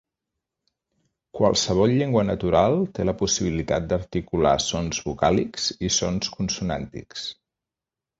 Qualsevol llengua natural té la possibilitat d'articular sons vocàlics i sons consonàntics.